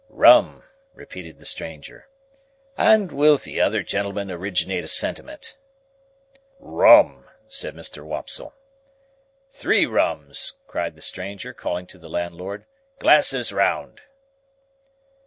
"Rum," repeated the stranger. "And will the other gentleman originate a sentiment." "Rum," said Mr. Wopsle. "Three Rums!" cried the stranger, calling to the landlord. "Glasses round!"